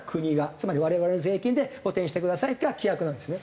つまり我々の税金で補填してくださいっていうような規約なんですね。